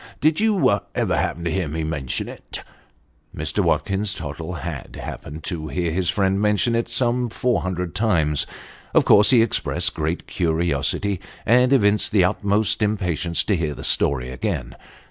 Did you] ever happen to hear me mention it ?" Mr. Watkins Tottle had happened to hear his friend mention it some four hundred times. Of course he expressed great curiosity, and evinced the utmost impatience to hear the story again.